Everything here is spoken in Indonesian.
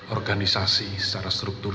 organisasi secara struktur